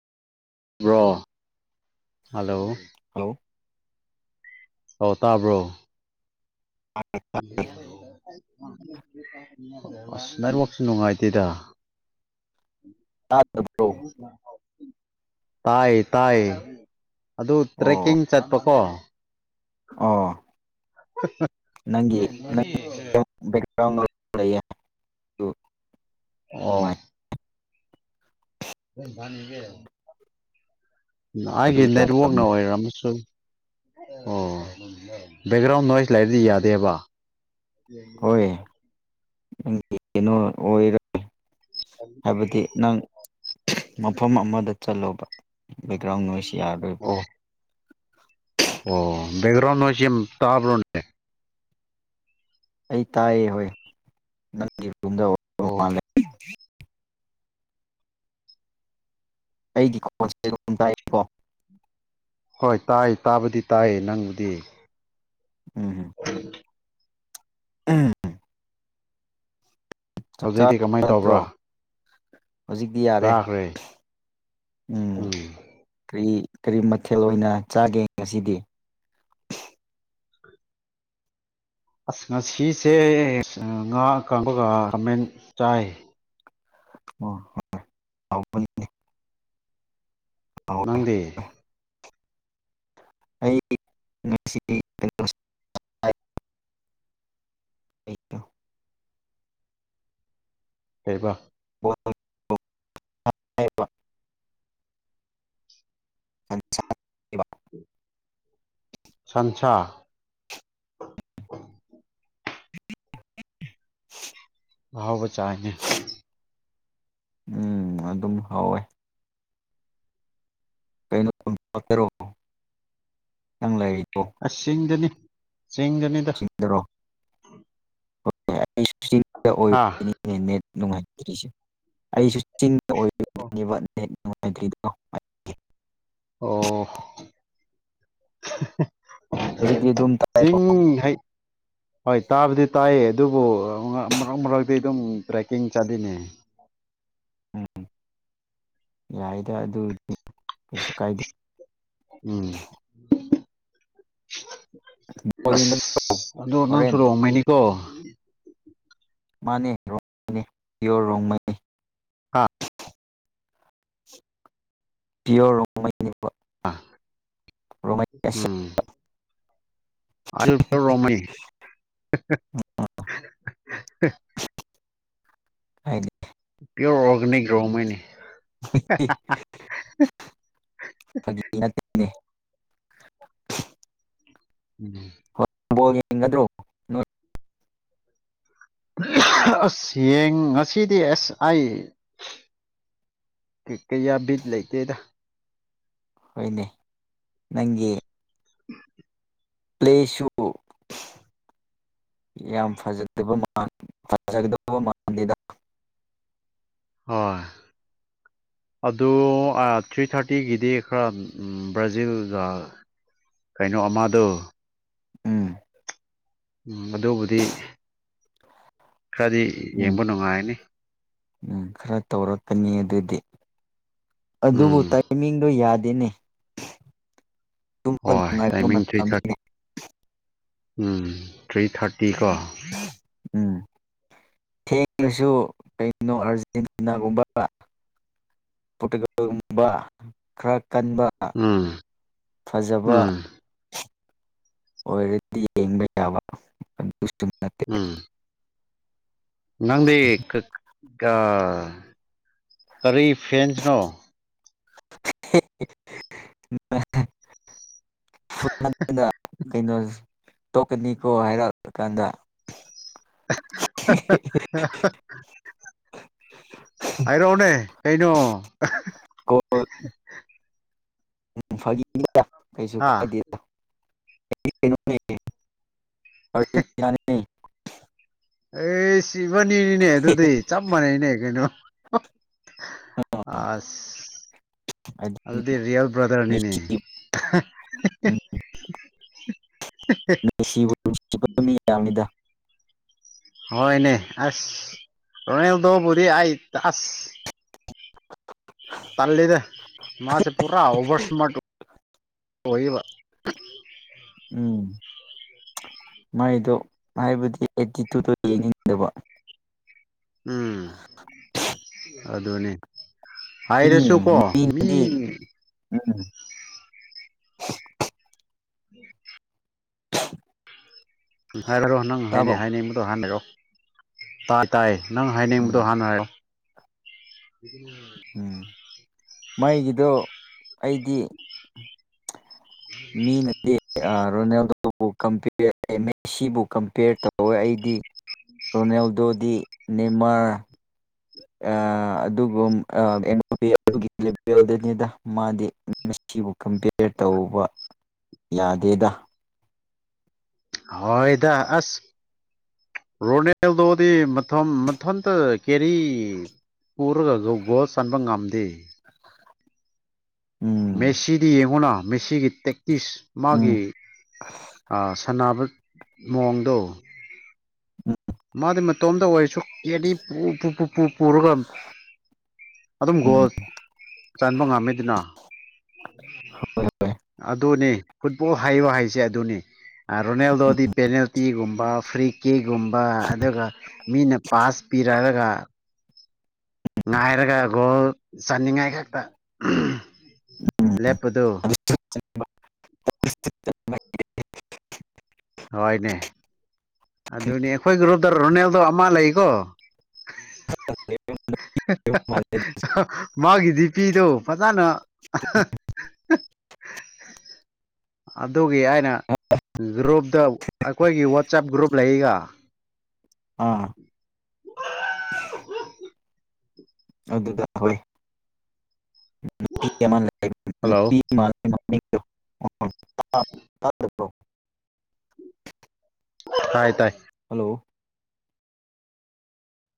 bro hello hello ꯑꯣ ꯇꯥꯕ꯭ꯔꯣ [unintelligible] ꯑꯁ ꯅꯦꯠꯋꯥꯛꯁꯨ ꯅꯨꯡꯉꯥꯏꯇꯦꯗ ꯇꯥꯗꯕ꯭ꯔꯣ ꯇꯥꯏꯌꯦ ꯇꯥꯏꯌꯦ ꯑꯗꯨ ꯑꯣ ꯇ꯭ꯔꯦꯛꯀꯤꯡ ꯆꯠꯄꯀꯣ ꯑꯣ ꯅꯪꯒꯤ [unintelligible] [unintelligible] ꯑꯣ ꯅꯨꯡꯉꯥꯏ [unintelligible] ꯑꯗꯨ ꯑꯩꯒꯤ ꯅꯦꯠꯋꯥꯛꯅ ꯌꯥꯗꯕꯅꯤ ꯑꯣꯏꯔꯝꯅꯤ ꯁꯣꯏ ꯑꯣ ꯕꯦꯛꯒ꯭ꯔꯥꯎꯟ ꯅꯣꯏꯁ ꯂꯩꯥꯔꯗꯤ ꯌꯥꯗꯦꯕ ꯌꯦꯅꯤ [unintelligible] ꯅꯪ ꯀꯩꯅꯣ [unintelligible] ꯑꯣꯏꯔꯣꯏ ꯍꯥꯏꯕꯗꯤ ꯅꯪ ꯃꯐꯝ ꯑꯃꯗ ꯆꯠꯂꯣꯕ ꯕꯦꯛꯒ꯭ꯔꯥꯎꯟ ꯅꯣꯏꯁ ꯌꯥꯔꯣꯏꯕ ꯑꯣ ꯑꯣ ꯕꯦꯛꯒ꯭ꯔꯥꯎꯟ ꯅꯣꯏꯁꯁꯦ ꯇꯥꯕ꯭ꯔꯣꯅꯦ ꯑꯩ ꯇꯥꯏꯌꯦ ꯍꯣꯏ ꯅꯪꯒꯤ ꯑꯣ [unintelligible] ꯑꯩꯒꯤ ꯀꯣꯟꯖꯦꯜ [unintelligible] ꯑꯗꯨꯝ ꯇꯥꯏꯀꯣ ꯍꯣꯏ ꯇꯥꯏ ꯇꯥꯕꯗꯤ ꯇꯥꯏ ꯅꯪꯕꯨꯗꯤ [unintelligible] ꯎꯝ ꯆꯥꯛ ꯍꯧꯖꯤꯛꯇꯤ ꯆꯥꯔꯕ ꯀꯃꯥꯏꯅ ꯅꯠꯇ꯭ꯔꯣ ꯇꯧꯕ꯭ꯔꯥ ꯍꯧꯖꯤꯛꯇꯤ ꯌꯥꯔꯦ ꯆꯥꯈ꯭ꯔꯦ ꯎꯝ ꯀꯔꯤ ꯀꯔꯤ ꯃꯊꯦꯜ ꯑꯣꯏꯅ ꯆꯥꯒꯦ ꯉꯁꯤꯗꯤ ꯑꯁ ꯉꯁꯤꯁꯦ ꯉꯥ ꯑꯀꯪꯕꯒ ꯈꯥꯃꯦꯟ ꯆꯥꯏ ꯑꯣ ꯍꯥꯎꯕꯅꯤꯅꯦ ꯍꯥꯎꯋꯦ ꯅꯪꯗꯤ ꯑꯩ ꯉꯁꯤ [unintelligible] ꯑꯩ [unintelligible] ꯀꯩꯕ ꯕꯣꯜ ꯍꯥꯏꯕ [inaudible] [unintelligible] ꯁꯟꯁꯥ [inaudible] ꯑꯥꯍꯥꯎꯕ ꯆꯥꯏꯅꯦ ꯎꯝ ꯑꯗꯨꯝ ꯍꯥꯎꯋꯦ ꯀꯩ ꯃꯊꯦꯜ ꯆꯥꯒꯦꯔꯣ ꯅꯪ ꯂꯩ ꯑꯁ ꯆꯤꯡꯗꯅꯦ ꯆꯤꯡꯗꯅꯤꯗ ꯆꯤꯡꯗꯔꯣ ꯆꯤꯡꯗ ꯍꯥ ꯑꯣꯏꯕꯒꯤꯅꯦ ꯅꯨꯡꯉꯥꯇ꯭ꯔꯤꯁꯦ ꯑꯩꯁꯨ ꯆꯤꯡꯗ ꯑꯣꯏꯕꯒꯤꯅꯦꯕ ꯅꯦꯠ ꯅꯨꯡꯉꯥꯏꯇ꯭ꯔꯤꯗꯣ ꯑꯣ ꯑꯍꯥꯍꯥ ꯍꯧꯖꯤꯛꯇꯤ ꯑꯗꯨꯝ ꯇꯥꯏꯀꯣ ꯆꯤꯡ ꯍꯣꯏ ꯇꯥꯕꯨꯗꯤ ꯇꯥꯏꯌꯦ ꯑꯗꯨꯕꯨ ꯃꯔꯛ ꯃꯔꯛꯇꯤ ꯑꯗꯨꯝ ꯇ꯭ꯔꯦꯛꯀꯤꯡ ꯆꯥꯂꯤꯅꯦ ꯎꯝ ꯌꯥꯏꯗ ꯑꯗꯨꯗꯤ ꯀꯩꯁꯨ ꯀꯥꯏꯗꯦ ꯎꯝ ꯕꯣꯜ ꯌꯦꯡꯒꯅꯤ ꯑꯁ ꯑꯗꯣ ꯅꯪꯁꯨ ꯍꯣꯔꯦꯟ ꯔꯣꯡꯃꯩꯅꯤꯀꯣ ꯃꯥꯟꯅꯦ ꯔꯣꯡꯃꯩꯅꯦ ꯄꯤꯌꯣꯔ ꯔꯣꯡꯃꯩꯅꯤ ꯍꯥ ꯄꯤꯌꯣꯔ ꯔꯣꯡꯃꯩꯅꯦ ꯑꯁꯦꯡ ꯎꯝ ꯑꯜꯄ ꯔꯣꯡꯃꯩ ꯍꯦꯍꯦꯍꯦ ꯍꯥꯏꯗꯤ ꯄꯤꯌꯣꯔ ꯑꯣꯔꯒꯅꯤꯛ ꯔꯣꯡꯃꯩꯅꯤ ꯐꯥꯒꯤ ꯅꯠꯇꯦꯅꯦ ꯎꯝ ꯍꯣꯔꯦꯟ ꯕꯣꯜ ꯌꯦꯡꯒꯗ꯭ꯔꯣ ꯅꯣꯏ ꯑꯁ ꯉꯁꯤꯗꯤ ꯑꯦꯁ ꯑꯩ ꯀꯌꯥ ꯕꯤꯠ ꯂꯩꯇꯦꯗ ꯍꯣꯏꯅꯦ ꯅꯪꯒꯤ ꯄ꯭ꯂꯦꯁꯨꯨ ꯌꯥꯝ ꯐꯖꯗꯕ ꯃꯥꯟ ꯐꯖꯒꯗꯕ ꯃꯥꯟꯗꯦꯗ ꯍꯣꯏ ꯑꯗꯨ ꯑꯥ ꯊ꯭ꯔꯤ ꯊꯥꯔꯇꯤꯒꯤꯗꯤ ꯈꯔ ꯕ꯭ꯔꯥꯖꯤꯜꯒ ꯀꯩꯅꯣ ꯑꯃꯗꯣ ꯎꯝ ꯎꯝ ꯑꯗꯨꯕꯨꯗꯤ ꯈꯔꯗꯤ ꯎꯝ ꯌꯦꯡꯕ ꯅꯨꯡꯉꯥꯏꯔꯅꯤ ꯀꯅꯤ ꯑꯗꯨꯗꯤ ꯑꯗꯨꯕꯨ ꯎꯝ ꯇꯥꯏꯃꯤꯡꯗꯣ ꯌꯥꯗꯦꯅꯦ ꯇꯨꯝꯕ ꯍꯣꯏ ꯅꯨꯡꯉꯥꯏꯕ ꯇꯥꯏꯃꯤꯡ ꯊ꯭ꯔꯤ ꯊꯥꯔ ꯃꯇꯝꯅꯤꯅꯦ ꯎꯝ ꯊ꯭ꯔꯤ ꯊꯥꯔꯇꯤ ꯀꯣ ꯎꯝ ꯊꯦꯡꯂꯁꯨ ꯀꯩꯅꯣ ꯑꯥꯔꯖꯦꯟꯇꯤꯅꯥꯒꯨꯝꯕ ꯄꯣꯔꯇꯨꯒꯜ ꯒꯨꯝꯕ ꯈꯔ ꯀꯟꯕ ꯎꯝ ꯐꯖꯕ ꯎꯝ ꯑꯣꯏꯔꯗꯤ ꯌꯦꯡꯕ ꯌꯥꯕ ꯑꯗꯨꯁꯨ ꯅꯠꯇꯦ ꯎꯝ ꯅꯪꯗꯤ ꯀ ꯀꯥ ꯀꯔꯤ ꯐꯦꯟꯁꯅꯣ [unintelligible] ꯀꯩꯅꯣ ꯇꯣꯛꯀꯅꯤꯀꯣ ꯍꯥꯏꯔꯛꯀꯥꯟꯗ [unintelligible] ꯍꯥꯏꯔꯛꯑꯣꯅꯦ ꯀꯩꯅꯣ ꯎꯝ ꯐꯥꯒꯤꯅꯤꯗ ꯀꯩꯁꯨ ꯍꯥ ꯀꯥꯏꯗꯦꯗ [unintelligible] ꯑꯩꯒꯤꯗꯤ ꯀꯩꯅꯣꯅꯤ ꯑꯥꯔꯖꯦꯟꯇꯤꯅꯥꯅꯤ ꯑꯦꯁ ꯏꯕꯥꯅꯤꯅꯤꯅꯦ ꯑꯗꯨꯗꯤ ꯆꯞ ꯃꯥꯟꯅꯩꯅꯦ ꯀꯩꯅꯣ ꯑꯥꯁ ꯍꯥꯏꯗꯤ ꯑꯗꯨꯗꯤ ꯔꯤꯌꯦꯜ ꯕ꯭ꯔꯥꯗꯔꯅꯤꯅꯦ ꯃꯦꯁꯤ [unintelligible] ꯅꯨꯡꯁꯤꯕꯨ ꯅꯨꯡꯁꯤꯗꯕ [unintelligible] ꯃꯤ ꯌꯥꯝꯃꯤꯗꯥ ꯍꯣꯏꯅꯦ ꯑꯁ ꯔꯣꯅꯦꯜꯗꯣꯕꯨꯗꯤ ꯑꯩ ꯑꯁ ꯇꯜꯂꯤꯗꯥ ꯃꯥꯁꯦ ꯄꯨꯔꯥ ꯑꯣꯕꯔ ꯁꯃꯥꯔꯠ ꯑꯣꯏꯌꯦꯕ ꯎꯝ ꯃꯥꯏꯗꯣ ꯍꯥꯏꯕꯗꯤ ꯑꯦꯇꯤꯇꯨꯠꯗꯣ ꯌꯦꯡꯅꯤꯡꯗꯕ ꯎꯝ ꯑꯗꯨꯅꯦ ꯃꯤ ꯍꯥꯏꯔꯁꯨ ꯀꯣ ꯃꯤ ꯃꯤꯅꯗꯤ [unintelligible] [inaudible] [unintelligible] ꯍꯥꯏꯔꯣ ꯅꯪ ꯍꯥꯏꯅꯤꯡ ꯇꯥꯕ꯭ꯔꯣ ꯍꯥꯏꯅꯤꯡꯕꯗꯣ ꯍꯥꯟꯅ ꯍꯥꯏꯔꯣ ꯇꯥ ꯇꯥꯏꯌꯦ ꯅꯪ ꯍꯥꯏꯅꯤꯡꯕꯗꯣ ꯎꯝ ꯍꯥꯟꯅ ꯍꯥꯏꯔꯣ ꯎꯝ ꯃꯩꯒꯤꯗꯣ ꯑꯩꯗꯤ ꯃꯤ ꯅꯠꯇꯦ ꯑꯥ ꯔꯣꯅꯦꯜꯗꯣꯕꯨ ꯀꯝꯄ꯭ꯌꯦꯔ [unintelligible] ꯃꯦꯁꯤꯕꯨ ꯀꯝꯄ꯭ꯌꯦꯔ ꯇꯧꯋꯦ ꯑꯩꯗꯤ ꯔꯣꯅꯦꯜꯗꯣ ꯗꯤ ꯅꯦꯃꯥꯔ ꯑꯥ ꯑꯗꯨꯕꯨꯔꯣ ꯑꯥ [unintelligible] ꯑꯗꯨꯒꯤ ꯕꯦꯜꯗꯅꯤꯗꯥ ꯃꯥꯗꯤ ꯃꯦꯁꯤꯕꯨ ꯀꯝꯄꯤꯌꯔ ꯇꯧꯕ ꯌꯥꯗꯦꯗꯥ ꯍꯣꯏꯗ ꯑꯁ ꯔꯣꯅꯦꯜꯗꯣꯗꯤ ꯃꯊꯝ ꯃꯊꯟꯇ ꯀꯦꯔꯤ ꯄꯨꯔꯒ ꯒꯣ ꯒꯣꯜ ꯆꯟꯕ ꯉꯝꯗꯦ ꯎꯝ ꯃꯦꯁꯤꯗꯤ ꯌꯦꯡꯉꯣꯅ ꯃꯦꯁꯤꯒꯤ ꯇꯦꯛ ꯏꯁ ꯎꯝ ꯃꯥꯒꯤ ꯁꯥꯟꯅꯥꯕ ꯃꯑꯣꯡꯗꯣ ꯃꯥꯗꯤ ꯃꯇꯣꯝꯇ ꯑꯣꯏꯔꯁꯨ ꯀꯦꯔꯤ ꯄꯨ ꯄꯨ ꯄꯨ ꯄꯨ ꯄꯨꯔꯒ ꯑꯗꯨꯝ ꯎꯝ ꯒꯣꯜ ꯆꯟꯕ ꯉꯝꯃꯤꯗꯅ ꯍꯣꯏ ꯍꯣꯏ ꯑꯗꯨꯅꯤ ꯐꯨꯠꯕꯣꯜ ꯍꯩꯌꯣ ꯍꯥꯏꯁꯦ ꯑꯗꯨꯅꯤ ꯔꯨꯅꯦꯜꯗꯣꯗꯤ ꯄꯦꯅꯦꯜꯇꯤꯒꯨꯝ ꯐ꯭ꯔꯤ ꯀꯦꯒꯨꯝꯕ ꯑꯗꯨꯒ ꯃꯤꯅ ꯄꯥꯁ ꯄꯤꯔꯛꯑꯒ ꯉꯥꯏꯔꯒ ꯒꯣꯜ ꯆꯥꯟꯅꯤꯡꯉꯥꯏ ꯈꯛꯇ ꯂꯦꯞꯄꯗꯨ ꯍꯣꯏꯅꯦ ꯑꯗꯨꯅꯤ ꯑꯩꯈꯣꯏꯒꯤ ꯒ꯭ꯔꯨꯞꯗ ꯔꯣꯅꯦꯜꯗꯣ ꯑꯃ ꯂꯩꯀꯣ ꯍꯤ ꯍꯥ ꯍꯥ ꯃꯥꯒꯤ ꯗꯤꯄꯤꯗꯣ ꯐꯖꯅ [unintelligible] ꯑꯗꯨꯒꯤ ꯑꯩꯅ ꯒ꯭ꯔꯨꯞꯇ ꯑꯈꯣꯏꯒꯤ ꯋꯥꯆꯞ ꯒ꯭ꯔꯨꯞ ꯂꯩꯌꯦꯒ ꯑꯥ ꯑꯗꯨꯗ ꯍꯣꯏ ꯅꯨꯄꯤ ꯑꯃ ꯍꯜꯂꯣ ꯅꯨꯄꯤ ꯑꯃ ꯭ [unintelligible] ꯇꯥꯏ ꯇꯥꯏ ꯍꯜꯂꯣ